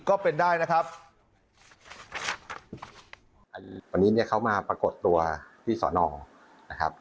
ก็เป็นได้นะครับ